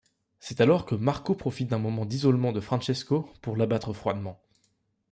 C'est alors que Marco profite d'un moment d'isolement de Francesco pour l'abattre froidement.